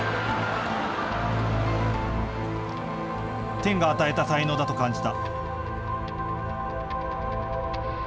天が与えた才能だと感じた。